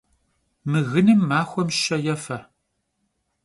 Mı gınım maxuem şe yêfe!